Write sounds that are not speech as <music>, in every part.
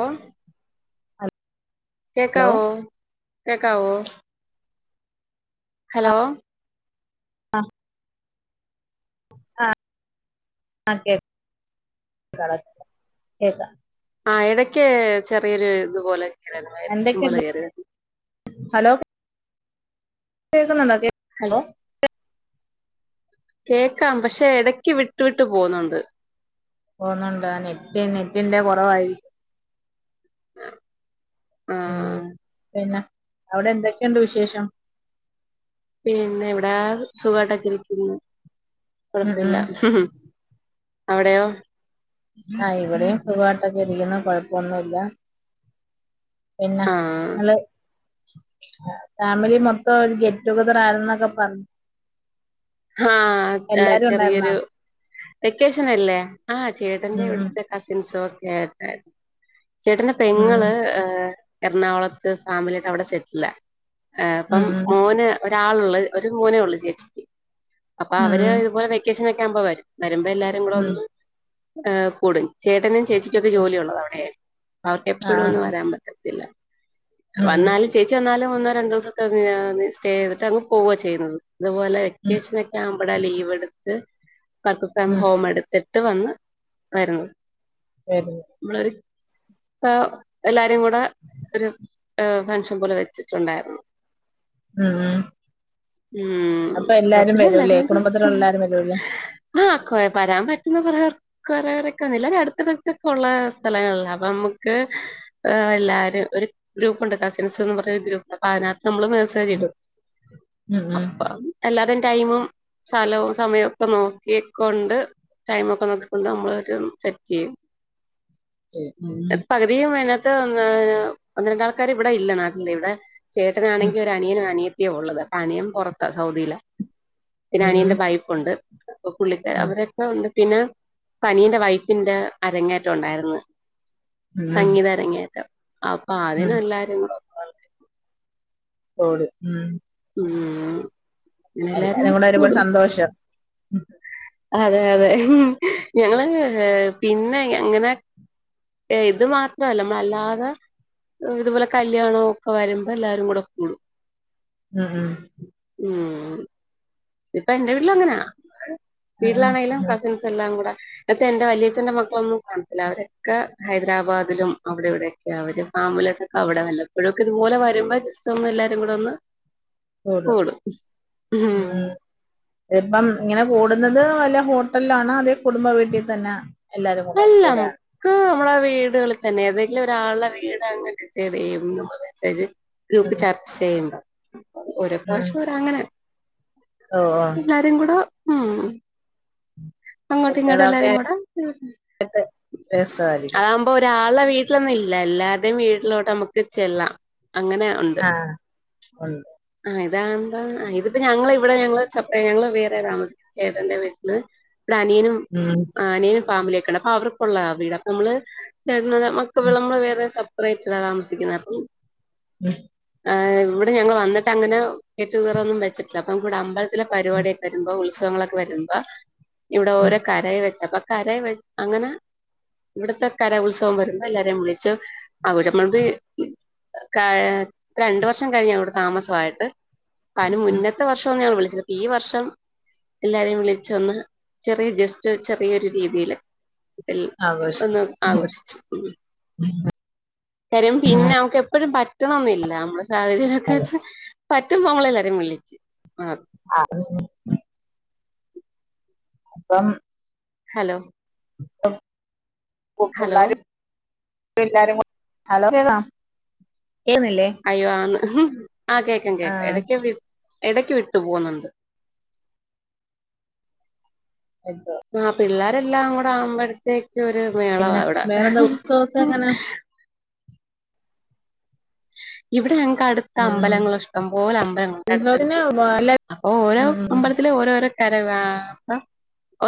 ഓഹ് hello കേക്കാവോ കേക്കവോ. Hello. ആഹ്. ആഹ്. ആ കേ കേക്കാം. ആഹ് എടയ്ക്ക് ചെറിയൊരു ഇതുപോലെ ഇങ്ങനെ എന്തൊക്കെയുണ്ട് ഉണ്ടായിരുന്നു,' ' <inaudible> ഹലോ കേൾക്കുന്നുണ്ടാ കേ വരുന്നു കേക്കാം പക്ഷെ ഇടക്ക് വിട്ടു വിട്ട് പോവുന്നുണ്ട് പോന്നുണ്ട് നെറ്റ് നെറ്റിന്റെ കുറവായി ആഹ് ഉം പിന്നെ അവിടെ എന്തൊക്കെയുണ്ട് വിശേഷം പിന്നെ വിടെ സുഖാട്ടക്കരിക്കുന്നു ഉം കുഴപ്പില്ല ഉം അവിടെയോ ആഹ് ഇവിടെയും സുഗായ്ട്ടൊക്കെ ഇരിക്കുന്നു കൊഴപ്പൊന്നുല്ല പിന്നെ ആ ങ്ങള് ഫാമിലി മൊത്തം ഒരു ഗെറ്റ് ടുഗെദർ ആയിരുന്നുന്നൊക്കെ പറഞ്ഞു ആഹ് എല്ലാരും ഉണ്ടായിരുന്നോ ചെറിയൊരു വെക്കേഷന അല്ലേ ആഹ് ചേട്ടന്റെ ഉം ഇവിടുത്തെ കസിൻസും ഒക്കെ ആയിട്ടായിരുന്നു ചേട്ടന്റെ ഉം പെങ്ങള് ഏഹ് എറണാകുളത്ത് ഫാമിലി ആട്ട് അവിടെ സെറ്റില ഏഹ് അപ്പം ഉം ഉം മോന് ഒരാള് ള്ള ഒരു മോനേ ഉള്ളൂ ചേച്ചിക്ക് അപ്പൊ ഉം അവര് ഉം ഇതുപോലെ വെക്കേഷന ഒക്കെ ആവുമ്പോ വരും വരുമ്പോ എല്ലാരും കൂടെ ഉം ഉം ഒന്ന് ഏഹ് കൂടും ചേട്ടനും ചേച്ചിക്കുംകൊക്കെ ജോലിയുള്ളത് അവിടെയ അവർക്ക് ആ എപ്പഴും ഒന്നും വരാൻ പറ്റില്ല ഇല്ല ഉം ഉം വന്നാൽ ചേച്ചി വന്നാലും മന്നോ രണ്ടോസത്തെ <unintelligible> സ്റ്റേ ചെയ്തിട്ടങ്‌ പോവ ചെയ്യുന്നത് അതുപോലെ ഉം വെക്കേഷനക്കെ ആവുമ്പട ലീവ് എടുത്ത് പക്ക് ഫ്രം ഉം ഹോം എടുത് ട് വന്ന് വരുന്നു വെക് നമ്മളൊര് <unintelligible> എല്ലാരും കൂടെ ഒരു ഏഹ് ഫെങ്ഷൻ പോലെ വെച്ചിട്ടുണ്ടായിരുന്നു ഉം ഉം ഉം അപ്പൊ എല്ലാരും റപ്പില്ലല്ലേ വരൂല്ലേ കുടുംബത്തിലുള്ള എല്ലാരും വരൂല്ലേ ആഹ് കൊയ പരാൻ പറ്റുന്ന കൊറയാ കൊറെറെക്കെന്നില്ല അടുത്തടുത്തൊക്കെ ഉള്ള സ്ഥലങ്ങളല്ല അപ്പൊ നമുക്ക് ആഹ് എല്ലാരും ഒരു ഗ്രൂപ്പുണ്ട് കസിൻസ് ന്ന് പർഞ ഗ്രൂപ്പ് അ അതിനകത്ത് മ്മള് പേ താജിഡും ഉം അപ്പൊ എല്ലാതെൻ ടൈമും സ്ഥലവും സമയവും ഒക്കെ നോക്കിക്കൊണ്ട് ടൈമ ഒക്കെനോക്കിക്കൊണ്ട് നമ്മൾ രു സെറ്റ് ചെയ്യും ഉം ഉം <unintelligible> അതിനകത്ത് ഒന്ന് രണ്ടാൾക്കാാര് ഇവിടെ ഇല്ല നാട്ടില് ഇവിടെ ഉം ചേട്ടനാണെങ്കിൽ ഒരു അനിയനും അനിയത്തിയോ ഉള്ളത് അപ്പൊ അനിയൻ പുറത്താ സൗദിയില പിന്നെ ഉം നിയന്റെ ഉം വൈഫ്ണ്ട് അപ്പൊ പുള്ളിക്കർ ഉം അവരൊക്കെ ഉണ്ട് പിന്നെ പനീന്റെ വൈഫിന്റെ അരങ്ങേറ്റം ഉണ്ടായിരുന്നു ഉം സംഗീത ഉം അരങ്ങേറ്റം അപ്പൊ ഉം അതിനെല്ലാരും കൂടെ ഓട് ഉം ഉം എല്ലാരും കൂടെ വരുമ്പോ ഒരു സന്തോഷം അതെ അതെ ഞങ്ങള് പിന്നെ അങ്ങനെ ഏ ഇത് മാത്രമല്ല നമ്മളല്ലാതെ ഇതുപോല കല്യാണം ഒക്കെ വരുമ്പോ എല്ലാവാരും കൂടെ കൂടും ഉം ഉം ഉം ഇപ്പ എന്റെ വീട്ടില അങ്ങനാ ആഹ് വീട്ടിലാണെങ്കിലും ആഹ് കസിൻസ് എല്ലാം കൂടെ എന്റെ വലിയച്ഛന്റെ മക്കളൊന്നും കാണത്തില്ല അവരൊക്കെ ഹൈദരാബാദിലും അവിടെ ഇവിടെ അവര് ഫാമിലിട്ടൊക്കെ അവിടെ വല്ല പ്പോഴൊക്കെ ഇതുപോലെ വരുമ്പോ ജസ്റ്റ് ഒന്ന് എല്ലാരും കൂടെ ഒന്ന് കൂടും ഉം വരുമ്പംഇങ്ങനെ കൂടുന്നത് വല്ല ഹോട്ടല ആണോ അതെ കുടുംബ വീട്ടിൽ തന്നെ എല്ലാരും കൂടെ കൂടെയാണ് ക്ക് നമ്മളെ വീടുകളിൽ തന്നെ ഏതെങ്കിലും ഒരാളുടെ വീട് അങ്ങനെ ഡിസൈഡ് ചെയ്യുംമ്മ മെസ്സേജ് ഗ്രൂപ്പ് ഉം ചർച്ച ചെയ്യുമ്പോ ഓരോ ഉം പ്രാവശം ഓരങ്ങനെ ഓ ഓ തെങ്കടോ ഉ അങ്ങോട്ട് ഇങ്ങോട്ട് എല്ലാരും കൂടെ എ പ്പെ രസായിരിക്കും അപ്പൊ ഒരാളുടെ വീട്ടിലൊന്നും ഇല്ല എല്ലാരുടെേയും വീട്ടിലോട്ട് നമ്മുക്ക് ചെല്ലാം അങ്ങനെ ആഹ് ഉള്ളു ആഹ്താന്താ ഇതിപ്പ ഞങ്ങ ഇവിടെ ഞങ്ങള് സെപ്പററ്റ് ഞങ്ങള് വേറെ താമസിക്ക ചേട്ടന്റെ വീട്ടില് ഇവിടെ അനിയനും ഉം അനിയനും ഫാമിലിയ ഒക്കെയണ്ടണ്ട് അപ്പൊ അവർക്കുള്ള വീട് അപ്പൊ നമ്മള് ചേട്ട മക്കെ ഉം വിളമ്പള് വേറെ സെപ്പറേറ്റ് ഇടാ താമസിക്കുന്നത് അപ്പം ഉ ഇവിടെഞ ങ്ങള് വന്നിട്ട്ങ്ങനെ ഗെറ്റുകറൊന്നും വച്ചിട്ടില്ലപ്പ ഇ വടെ അമ്പലത്തിലെ ഉം പരിപാടി ഒക്കെ വരുമ്പോ ഉത്സവ നമ്മളൊക്കെ വരുമ്പോ ഇവിടെ ഉം ഓരോ കരയ വെച്ച അപ്പ കര അങ്ങനെ ഇവിടത്തെ കരോത്സവം വരുമ്പോ എല്ലാരെയും വിളിച്ചു അവടെ <unintelligible> രണ്ട് വർഷം കഴിഞ്ഞ അവടെ താമസമായിട്ട് അതിനു ഉം മുന്നത്തെ വർഷം ഒന്നും ഞാണ് വിളിച്ചില്ല ഈ വർഷം എല്ലാരെയും വിളിച്ച് ഒന്ന് ചെറിയ ജസ്റ്റ് ചെറിയൊരു രീതിയില് എ ആഘോഷം ഒന്ന് ആഘോഷിച്ചു ഉ കാര്യം പിന്നെ നമുക്ക് എപ്പഴും പറ്റണൊന്നില്ല നമ്മള് സാഹചര്യം ഒക്കെ വെച്ച് പറ്റുമ്പോങ്ങളെല്ലാരും വിളിക്കും ആഹ് ആഹ് അപ്പം ഹലോ ഇപ്പൊ ഹലോ പിള്ളാരും <unintelligible> ഹലോ ഏന്നില്ലേ അയ്യോ ആന്ന് ആഹ് കേക്കാം കേൾക്കാം എടക്ക് എടക്ക് വിട്ടു പോവുന്നുണ്ട് എന്തോ ആഹ് പിള്ളേരെല്ലാം കൂടെ ആവുമ്പോഴത്തേക്കൊ ഒരു മേളവാ പിന്നെ ഇവിടെ വേറെന്താ ഉത്സവൊക്കെ എങ്ങനെ ഇവിടെ ഞങ്ങക്കട് ത്ത് ഉം അമ്പലങ്ങള് ഇഷ്ടം പോലെ അമ്പലങ്ങളുണ്ട് ഉത്സവത്തിന് അടുത്തടുത്ത് വല്ല അപ്പോ ഓരോ ഉം ഉം അമ്പലത്തിലു ഓരോരോ വരവ് ആഹ് അപ്പ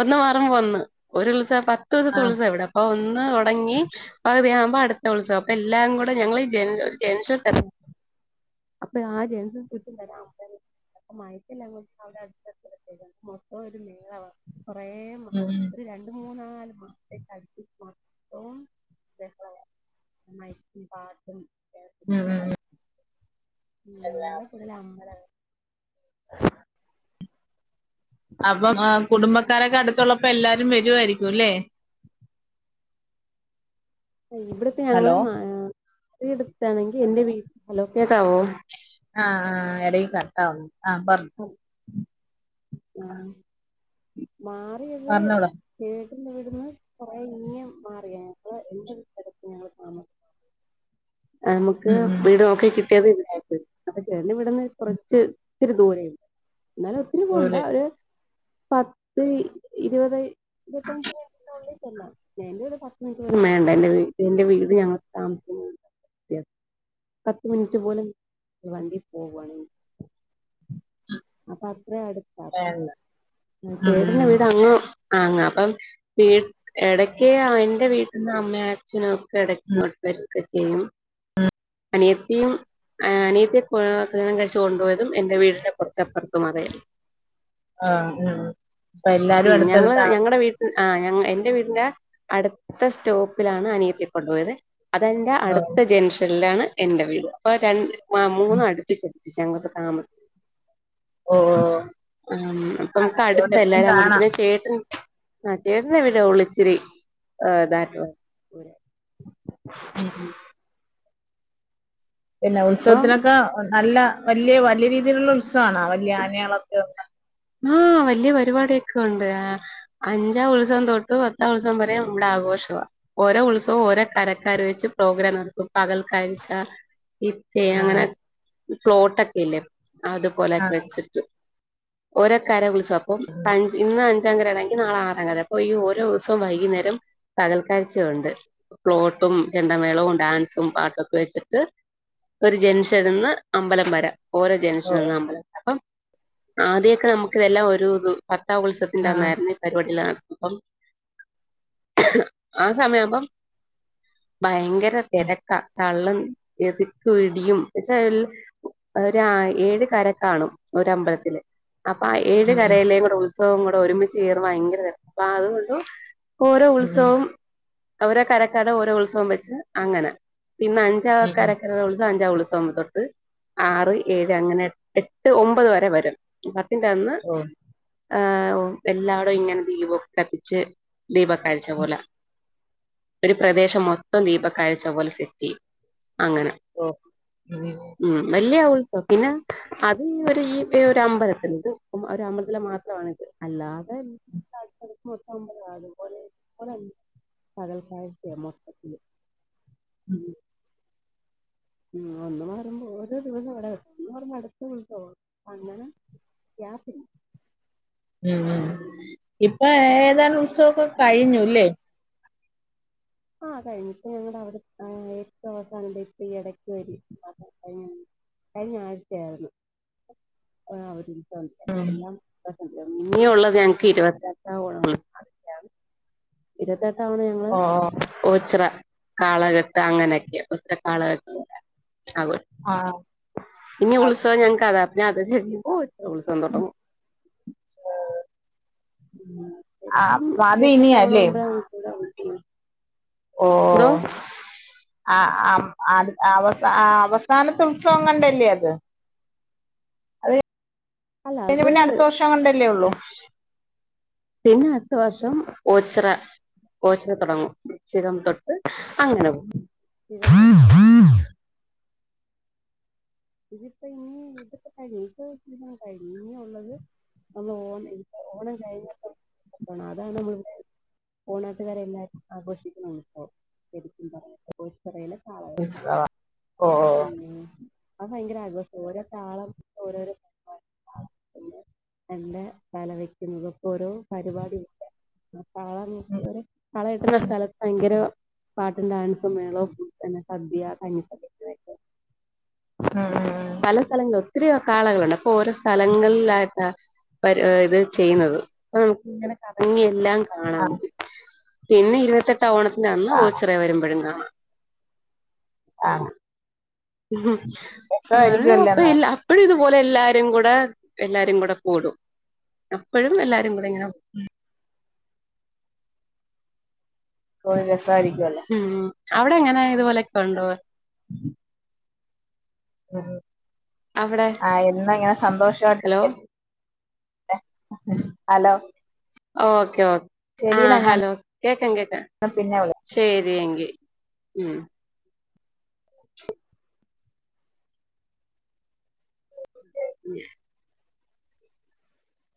ഒന്ന് മാറുമ്പൊന്ന് ഒരു ഉത്സവ പത്ത് ദിവസത്തെ ആഹ് ഉത്സവാ ഇവിടെ അപ്പൊ ഒന്ന് തൊടങ്ങി പകുതിയാവുമ്പൊ അടുത്ത ഉത്സവം അപ്പൊ എല്ലാം കൂടെ ഞങ്ങള് ഈ ജെൻ ജെൻഷ് അപ്പൊയാ ജെൻസും <unintelligible> വരാം <unintelligible> അപ്പ മയത്തിലങ്ങും അവടെ <unintelligible> അട്ത്ത് സെമിത്തേരി ആണ് മൊത്തം ഒരു മേളവാ കൊറേ ഉം വാ ഒരു രണ്ട് മൂന്നാല് ഉ മാസത്തേക്ക് ബെഹളവാ ആ മൈക്കിം പാട്ടും ഉം ഉം ഉം ഉം വ്ടെ എല്ലാരും കൂടുതൽ അമ്പലവാ അപ്പം ആഹ് കുടുംബക്കാരൊക്കെ അടുത്തുള്ളപ്പോ എല്ലാരും വരുവായിരിക്കുംല്ലേ ഇവിടത്തെ ഞങ്ങള് ഹലോ മാ <unintelligible> ട്ത്താണെങ്കി എന്റെ വീ ഹലോ കേക്കാവോ ആഹ് ആഹ് എടയ് കട്ടാവുന്നു ആഹ് പർ പ്പം ആഹ് മാറിയത് പറഞ്ഞോളൂ ചേട്ട്ന്റെവ്ട്ന്ന് കൊറേ ഇങ്ങേ മാറിയേ ഇപ്പൊ <unintelligible> ത്ത് ഞങ്ങള് താമ നമുക്ക് ഉം ഉം വീട് നോക്കികി ട്ടിയത് ഇണ്ടായിര്ന്ന് അപ്പൊ ചേട്ടന്റെ വീട്ന്ന് കൊറച്ച് ഇച്ചിരി ദൂരേന്ന് ന്നാലും ഓലെ ത് പത്ത് ഇ ഇരുവത് ഇരുവത്തഞ്ചേ ന്റെ <unintelligible> ചെല്ലാം എന്റേത് പത്ത് മിനിറ്റൊന്നും വേണ്ട എ എന്റെ വീട് ഞങ്ങള് താമസിക്ക് ത്യേ പത്ത് മിനിറ്റ് പോലും വണ്ടി പോവുവാണെങ്കി അപ്പ അത്രേ അടുത്താ അപ്പം വേണ്ട ഉം ചേട്ടന്റെ ഉം വീട് അങ്ങു ആഹ് അങ്ങ് അപ്പം വീ എടക്ക് ആഹ് എന്റെ വീട്ട്ന്ന് അമ്മയ് അച്ഛനും ക്കെടക്ക് ഇങ്ങോട്ട് വെരൊക്കെ ചെയ്യും അനിയത്തിം അനിയത്തി ക്വോ കല്യാണം കഴിച്ച് കൊണ്ടുപോയതും എന്റെ വീടിന്റെ കൊർച്ചപ്പർത്തും മാറിയാ ആഹ് ഉം ഉം അപ്പ എല്ലാരും അട്ത്ത്ടുത്താണ് ആഹ് ഞങ്ങ് എന്റെ വീടിന്റെ അടുത്ത സ്റ്റോപ്പിലാണ് അനിയത്തിയെ കൊണ്ടുപോയത് അതെന്റെ ഓഹ് അടുത്ത ജെങ്ഷൻലാണ് എന്റെ വീട് അപ്പൊ രണ്ട് ആഹ് മൂന്നും അടുപ്പിച്ച് ച്ച് ഞങ്ങക്ക് താമം ഓ ഓ ഓ ആഹ് അപ്പൊ മ്മ്ക്ക് അടുത്ത എല്ലാരും അങ്ങോട്ട് കാണാം പിന്നെ ചേട്ടൻ ആഹ് ചേട്ടനെ പിന്നെ ഒളിച്ചിരി എ ദൂരെ ഉം ഉം പിന്നെ അപ്പം ഉത്സവത്തിനൊക്കെ നല്ല വല്ല്യെ വല്യെ രീതിയിലുള്ള ഉത്സവാണാ വല്ല്യെ ആനകളൊക്കെ ഉള്ള ആഹ് വല്ല്യെ പരിപാടിയൊക്കെ ഉണ്ട് ആഹ് അഞ്ചാം ഉത്സവം തൊട്ട് പത്താം ഉത്സം വരെ ഇവ്ടെ ആഘോഷവാ ഓരോ ഉത്സവവും ഓരോ കരക്കാര് വെച്ച് പ്രോഗ്രാം നടത്തും പകൽക്കാഴ്ച ഇ ത്തേ ആ അങ്ങനെ ഇ ഫ്ലോട്ടൊക്കെ ഇല്ലേ ആ അതുപോലെക്കെവെ ത്ത്ട്ട് ഓരോ കര ഉത്സവ അപ്പോം അഞ്ച ഇന്ന് അഞ്ചാം കരയാണെങ്കിൽ നാളെ ആ റാം കര അങ്ങനെ അപ്പൊ ഈ ഓരോ ദിവസവും വൈയ്കിന്നേരം പകൽക്കാഴ്ച ഉണ്ട് ഫ്ലോട്ടും ചെണ്ടമേളവും ഡാൻസും പാട്ടൊക്കെ വെച്ച്ട്ട് ഒരു ജൻഷന്ന്ന് അമ്പലം വരെ ഓരോ ഓ ജൻഷന് ന്ന് അമ്പലം ആദ്യവൊക്കെ നമുക്ക് ഇതെല്ലാം ഒരു ഇത് പത്താം ഉത്സവത്തിന്റെ ആ അന്നായിരുന്നു പരിപാടിയിലാ അപ്പം ആ സമയം ആകുമ്പോ ഭയങ്കര ഉം തെരക്കാ തള്ളും തി ക്കും ഇടിയും എന്ന് വച്ചാ എ ഒര് ആ ഏഴ് കര കാണും ഒരമ്പലത്തില് അപ്പൊ ഏഴ് ഉം കരയിലേയും കൂടെ ഉത്സവം കൂടെ ഒരുമിച്ച് ചേർന്ന് ഭയങ്കര രസവാ അപ്പൊ അതുകൊണ്ട് ഓരോ ഉം ഉത്സവവും ഓരോ കരക്കാരുടെ ഓരോ ഉത്സവം വെച്ച് അങ്ങനെ അപ്പോ ഇന്ന് അ ഞ്ചാം ഉം ഉം കരക്കാരുടെ ഉത്സവം അഞ്ചാം ഉത്സവം തൊട്ട് ആറ് ഏഴ് അങ്ങനെ ട്ട് ഒമ്പത് വരെ വരും പത്തിന്റെ അന്ന് ആഹ് ആഹ് ഓ എല്ലാടവും ഇങ്ങനെ ദീപവൊക്കെ കത്തിച്ച് ദീപ കാഴ്‌ച പോലെ ഒരു പ്രദേശം മൊത്തം ദീപ കാഴ്ച പോലെ സെറ്റ് ചെയും അങ്ങനെ ഓ ഉം ഉം വല്യ ഉത്സവവാ പിന്നെ അത് ഈ ഒരു ഈ ഒരു അമ്പലത്തിൽ ഇത് ഒര് അമ്പലത്തിലെ മാത്രമാണ് ഇത് അല്ലാതെ <unintelligible> മൊത്തം അമ്പലം ആകും പോലെ ഒര് പകൽ കാഴ്ചയാ മൊത്തത്തില് ഉം ഉം ഒന്ന് മാറുമ്പോ ഓരോ ദിവസം ഇവിടെ ഒന്ന് മാറുമ്പോൾ അടുത്ത ഉത്സവവാ അങ്ങനെ യാസിൻ ഉം ഉം ഇപ്പൊ ഏതാനും ഉത്സവമൊക്കെ കഴിഞ്ഞു അല്ലേ ആഹ് കഴിഞ്ഞ് ഇപ്പം ഞങ്ങടെ അവിടെ ഏറ്റവും അവസാനം ദേ ഇപ്പോ ഈ ഇടക്കൊരു കഴിഞ്ഞ കഴിഞ്ഞാഴ്ച ആയിരുന്നു ആ ഒരു ഉത്സവം ആഹ് ഇനി ഉള്ളത് ഞങ്ങക്ക് ഇരുപത്തെട്ടാം <unintelligible> ഇരുപത്തെട്ടാം തവണ ഞങ്ങള് ഓ ഓച്ചിറ കാളകെട്ട് അങ്ങനെയൊക്കെ ഒറ്റ കാളകെട്ട് അത് ആഹ് ഇനി ഉത്സവം ഞങ്ങക്ക് അതാ പിന്നെ അത് കഴിയുമ്പോ ഓച്ചിറ ഉത്സവം തൊടങ്ങും ആ, അപ്പൊ അത് ഇരുപത്തി എട്ടാം ഓണം ഇനിയല്ലേ ആവുമ്പോഴ <unintelligible> ഓ ഹലോ ആ ആ അടു അവസാ അവസാനത്തെ ഉത്സവം എങ്ങാണ്ടല്ലേ അത് അത് അല്ല കഴിഞ്ഞാ അത് പിന്നെ അടുത്ത വർഷം എങ്ങാണ്ടല്ലേ ഒള്ളു പിന്നെ അടുത്ത വർഷം ഓച്ചിറ ഓച്ചിറ തുടങ്ങും വൃശ്ചികം തൊട്ട് അങ്ങനെ തൊടങ്ങും ഇതിപ്പോ ഇനി ഇതിപ്പോ കഴിയും ഇത് കഴിഞ്ഞു ഇനി ഉള്ളത് നമ്മൾ ഓണം ഓണം കഴിഞ്ഞിട്ടുള്ള ഓണം അതാണ് നമ്മളിവിടെ കോണാട്ടുകാരെല്ലാം ആഘോഷിക്കണ ഉത്സവം ശരിക്കും പറഞ്ഞാ ഓച്ചിറയിലെ കാള ഉത്സവം ഓ കെട്ട് ഉം അത് ഭയങ്കര ആഘോഷവാ ഓരോ താളം ഓരോരോ പിന്നെ എന്റെ തല വയ്ക്കുന്നതൊക്കെ ഓരോ പരിപാടിയാ ആഹ് കാള <unintelligible> കാള കെട്ടുന്ന സ്ഥലത്ത് ഭയങ്കര പാട്ടും ഡാൻസും മേളവും പിന്നെ സദ്യ <unintelligible> ഉം ഉം ഉം. പല സ്ഥലങ്ങളും ഒത്തിരി കാളുകളുണ്ട് അപ്പൊ ഓരോ സ്ഥലങ്ങളിലായിട്ടാ ഒരു ഇത് ചെയ്യുന്നത് മ് ഇനി എല്ലാം കാണാം പിന്നെ ഇരുപത്തെട്ട ഓണത്തിന്റെ അന്ന് ആ ആ ഓച്ചിറ വരുമ്പോഴും കാണാം ആണോ അത് രസമായിരിക്കുമല്ലോ കൊഴപ്പം എന്നാ ഇല്ല അപ്പഴും ഇതുപോലെ എല്ലാരും കൂടെ എല്ലാരും കൂടെ കൂടും അപ്പഴും എല്ലാരും കൂടെ ഇങ്ങനെ അപ്പൊ രസമായിയിരിക്കുവല്ലേ ഉം അവിടെങ്ങന ഇതുപോലെക്കെ ഉണ്ടോ ഉ അവിടെ ആഹ് എന്നും ഇങ്ങനെ ഹലോ സന്തോഷയിട്ടിരിക്ക ഹലോ ഓക്കെ ഓ ആഹ് ശരിയെടാ ഞാൻ ഹലോ കേക്കാം കേക്കാം പിന്നെ വിളിക്കാം ശരി എങ്കി ഉം <inaudible>